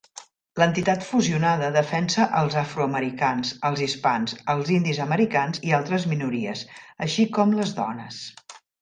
L'entitat fusionada defensa els afroamericans, els hispans, els indis americans i altres minories, així com les dones.